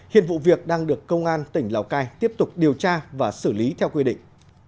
hiện vụ việc đang được công an tỉnh lào cai tiếp tục điều tra và xử lý theo quy định